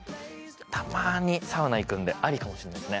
たまにサウナ行くんでありかもしれないですね。